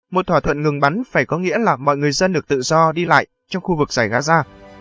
một thỏa thuận ngừng bắn phải có nghĩa là mọi người dân được tự do đi lại trong khu vực giải gaza